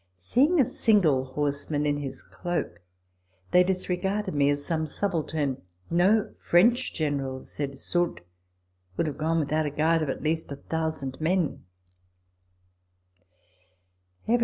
Seeing a single horseman in his cloak, they disregarded me as some subaltern. No French general, said Soult, would have gone without a guard of at least a thousand men.